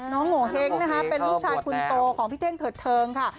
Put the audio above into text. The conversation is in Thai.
โงเห้งนะคะเป็นลูกชายคนโตของพี่เท่งเถิดเทิงค่ะ